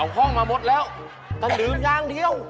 เอาข้องมาหมดแล้วแต่ลืมอย่างเดียว